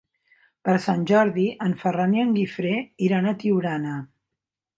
Per Sant Jordi en Ferran i en Guifré iran a Tiurana.